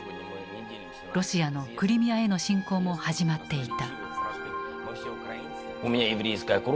ロシアのクリミアへの侵攻も始まっていた。